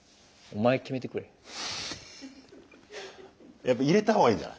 やっぱ入れた方がいいんじゃない？